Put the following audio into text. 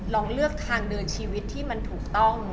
ลองเลือกทางเดินชีวิตที่มันถูกต้อง